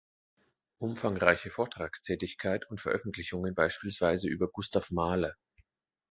Umfangreiche Vortragstätigkeit und Veröffentlichungen beispielsweise über Gustav Mahler.